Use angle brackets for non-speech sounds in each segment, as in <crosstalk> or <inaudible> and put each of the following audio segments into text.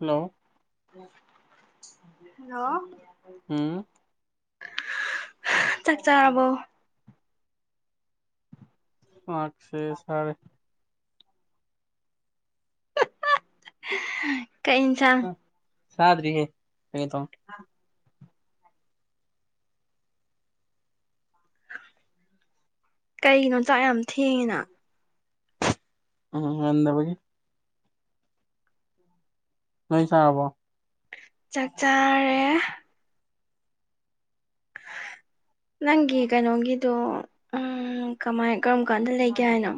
hello hello ꯎꯝ ꯆꯥꯛꯆꯥꯥ ꯑꯕꯣ ꯑꯁꯦ ꯁꯔꯦ ꯀꯛ ꯊ ꯁꯥꯗꯔꯤꯦ ꯀ ꯇ ꯀꯩꯒꯤꯅꯣ ꯆꯥꯛ ꯌꯥꯝ ꯊꯦꯡꯉꯤꯅ ꯎꯝ ꯅꯗꯕꯒꯤ ꯂꯣꯏ ꯆꯥ ꯍꯕꯣ ꯆꯥꯛ ꯆꯥꯔꯦ <unintelligible> ꯅꯪꯒꯤ ꯀꯩꯅꯣꯒꯤꯗꯣ ꯎ ꯀꯃꯥꯏ ꯀꯔꯝ ꯀꯥꯟꯗ ꯂꯩꯒꯦ ꯍꯥꯏꯅꯣ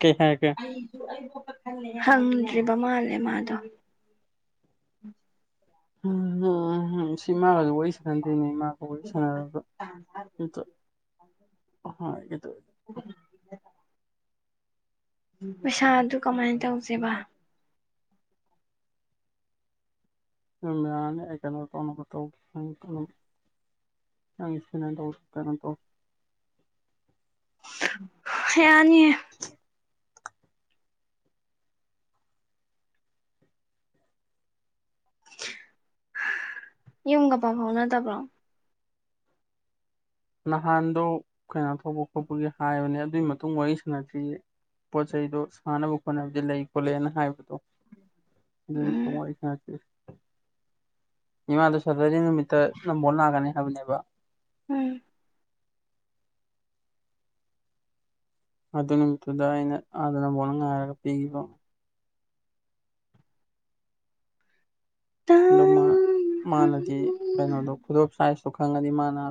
ꯀꯩ ꯍꯥꯏꯔꯛꯀꯦ ꯍꯪꯗ꯭ꯔꯤꯕ ꯃꯥꯜꯂꯦ ꯃꯥꯗꯣ ꯎ ꯍ ꯎꯝ ꯁꯤꯃꯥꯒꯁꯨ ꯋꯥꯔꯤ ꯁꯥꯟꯅꯟꯗꯦꯅꯦ ꯏꯃꯒ ꯋꯥꯔꯤ ꯁꯥꯟꯅꯒ ꯑꯇ ꯍ ꯑꯩꯇ ꯃꯩꯁꯥ ꯑꯗꯨ ꯀꯃꯥꯏꯅ ꯇꯧꯖꯦꯕ ꯌꯥ ꯑꯦꯀꯩꯅ ꯀꯅ ꯇꯧ ꯁꯧ ꯀ ꯅ ꯇꯣ ꯌꯥꯅꯤꯌꯦ ꯌꯨꯝ ꯀ ꯄ ꯐꯥꯎ ꯅꯠꯇꯕ꯭ꯔꯣ ꯅꯍꯥꯟꯗꯣ ꯀꯩꯅꯣ ꯊꯧꯕ ꯈꯣꯠꯄꯒꯤ ꯍꯥꯏꯕꯅꯦ ꯑꯗꯨꯒꯤ ꯃꯇꯨꯡ ꯋꯥꯔꯤꯁꯤꯅꯁꯤ ꯄꯣꯠ ꯆꯩꯗꯨꯣ ꯁꯥꯟꯅꯕ ꯈꯣꯠꯅꯕꯗꯤ ꯂꯩ ꯈꯣꯠꯂꯅ ꯍꯥꯏꯕꯗꯣ ꯑꯗꯨ ꯎꯝ ꯇꯥꯏ ꯈꯦꯁꯤ ꯏꯃꯥꯗ ꯁꯗꯔꯤ ꯅꯨꯃꯤꯠꯇ ꯅꯝꯕꯣ ꯥꯛꯒꯅꯤ ꯍꯥꯏꯕꯅꯦꯕ ꯎꯝ ꯑꯗꯨ ꯅꯨꯃꯤꯠꯇꯨꯗ ꯑꯩꯅ ꯑꯥꯗꯅ ꯣꯅ ꯉꯥꯏꯔꯒ ꯄꯤꯈꯤꯕ ꯑꯗꯨ ꯃꯥꯅꯗꯤ ꯀꯩꯅꯣꯗꯣ ꯈꯨꯗꯣꯞ ꯁꯥꯏꯖꯇꯣ ꯈꯪꯉꯗꯤ ꯃꯥꯅ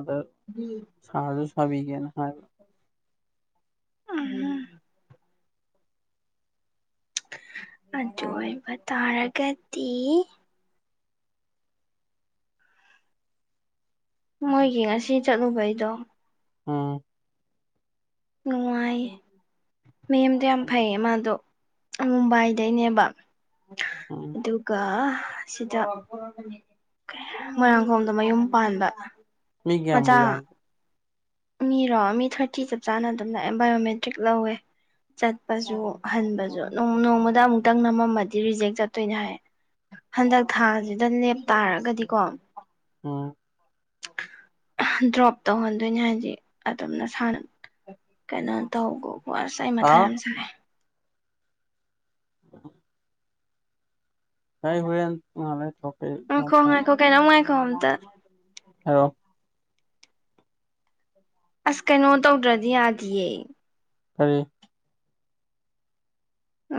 ꯎꯝ ꯍꯥꯕꯤꯒꯅꯦ ꯍꯥꯏ ꯑ ꯑꯗꯨ ꯑꯣꯏꯕ ꯇꯥꯔꯒꯗꯤ ꯃꯣꯏꯒꯤ ꯉꯁꯤ ꯆꯠꯂꯨꯕꯩꯗꯣ ꯑ ꯅꯨꯡꯉꯥꯏꯌꯦ ꯃꯦꯝꯗꯣ ꯌꯥꯝ ꯐꯩꯌꯦ ꯃꯥꯗꯣ ꯃꯨꯝꯕꯥꯏꯗꯩꯅꯦꯕ ꯎꯝ ꯑꯗꯨꯒ ꯁꯤꯗ ꯃꯣꯏꯔꯥꯡꯈꯣꯝꯗ ꯃꯌꯨꯝ ꯄꯥꯟꯕ ꯃꯤ ꯀꯦꯕꯨ ꯃꯆꯥ ꯌꯥꯝꯒꯦ ꯃꯤꯔꯣ ꯃꯤ ꯊꯥꯔꯇꯤ ꯆꯞ ꯆꯥꯅ ꯑꯗꯨꯝ ꯂꯥꯛꯑꯦ ꯕꯥꯏꯑꯣꯃꯦꯇ꯭ꯔꯤꯛ ꯂꯧꯋꯦ ꯆꯠꯄꯁꯨ ꯍꯟꯕꯁꯨ ꯅꯣꯡꯃꯗ ꯑꯃꯨꯛꯇꯪ ꯅꯝꯃꯝꯃꯗꯤ ꯔꯤꯖꯦꯛ ꯆꯠꯇꯣꯏꯅꯦ ꯍꯥꯏꯌꯦ ꯍꯟꯗꯛ ꯊꯥꯁꯤꯗ ꯂꯦꯞꯇꯥꯥꯔꯒꯗꯤꯀꯣ ꯑꯣ ꯗ꯭ꯔꯣꯞ ꯇꯧꯍꯟꯗꯣꯏꯅꯤ ꯍꯥꯏꯗꯤ ꯑꯗꯨꯝꯅ ꯁꯥꯟꯅ ꯀꯩꯅꯣ ꯇꯧꯒꯀ ꯑꯁ ꯑꯩ ꯃꯊꯥ ꯍꯥꯎ ꯑꯃ ꯆꯪꯉꯦ ꯎ ꯀꯥꯏ ꯍꯔ ꯊꯣꯛꯧꯄꯩ ꯀꯣꯝꯗ ꯍꯂꯣ ꯑꯁ ꯀꯩꯅꯣ ꯇꯧꯗ꯭ꯔꯗꯤ ꯌꯥꯗꯤꯌꯦ ꯐꯔꯤ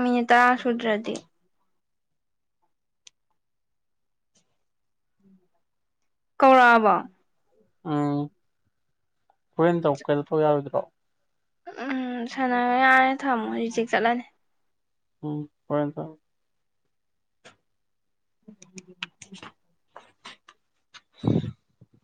ꯃꯤꯅꯨꯠ ꯇꯔꯥ ꯁꯨꯗ꯭ꯔꯥꯗꯤ ꯀꯧꯔꯥꯛꯑꯕꯣ ꯎꯝ ꯍꯣꯔꯦꯟ ꯇꯧ ꯀꯩꯗꯣ ꯇꯧ ꯌꯥꯔꯣꯏꯗ꯭ꯔꯣ ꯎꯝ ꯁꯥꯟꯅꯔꯣ ꯌꯥꯔꯦ ꯊꯝꯃꯣ ꯔꯤꯖꯤꯛ ꯆꯠꯂꯅꯤ ꯎꯝ ꯍꯣꯏ <unintelligible> <unintelligible>